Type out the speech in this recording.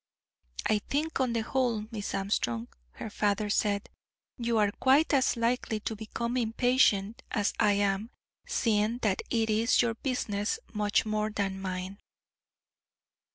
"I think, on the whole, Miss Armstrong," her father said, "you are quite as likely to become impatient as I am, seeing that it is your business much more than mine."